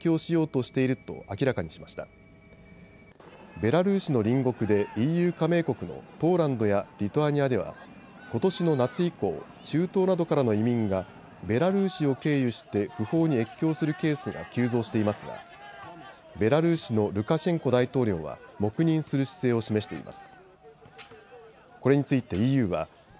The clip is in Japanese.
ベラルーシの隣国でＥＵ加盟国のポーランドやリトアニアではことしの夏以降、中東などからの移民がベラルーシを経由して不法に越境するケースが急増していますがベラルーシのルカシェンコ大統領は黙認する姿勢を示しています。